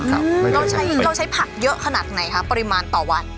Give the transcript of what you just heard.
เราใช้ผักเยอะขนาดไหนคะปริมาณต่อวัน